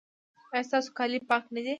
ایا ستاسو کالي پاک نه دي؟